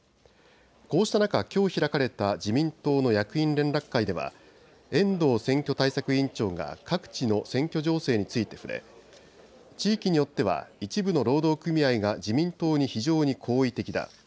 こうした中、きょう開かれた自民党の役員連絡会では遠藤選挙対策委員長が各地の選挙情勢について触れ地域によっては一部の労働組合が自民党に非常に好意的だ。